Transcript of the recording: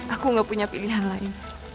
aku gak punya pilihan lain